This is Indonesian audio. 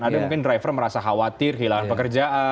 ada yang mungkin driver merasa khawatir hilang pekerjaan